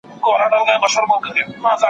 زکات د ټولني د اقتصادي ودې لپاره حیاتي دی.